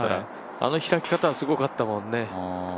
あの開き方はすごかったもんね。